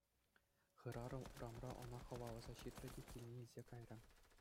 Хӗрарӑм урамра ӑна хӑваласа ҫитрӗ те килне илсе кайрӗ.